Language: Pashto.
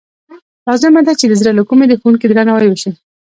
لازمه ده چې د زړه له کومې د ښوونکي درناوی وشي.